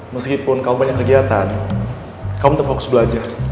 meskipun kamu banyak kegiatan kamu terfokus belajar